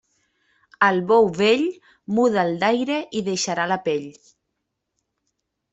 Al bou vell, muda'l d'aire i deixarà la pell.